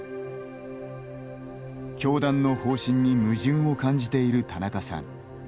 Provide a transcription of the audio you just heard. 教団の方針に矛盾を感じている田中さん。